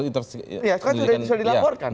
ya kan sudah dilaporkan